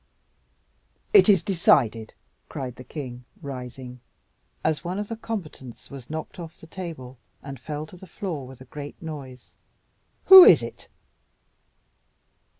"It is decided!" cried the king, rising, as one of the combatants was knocked off the table, and fell to the floor with a great noise. "Who is it?"